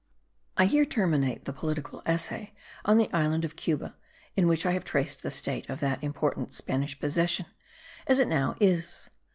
I here terminate the Political Essay on the island of Cuba, in which I have traced the state of that important Spanish possession as it now is.